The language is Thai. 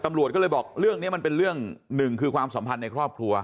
ตำรวจก็เลยบอกเรื่องนี้มันเป็นเรื่องหนึ่งคือความสัมพันธ์ในครอบครัว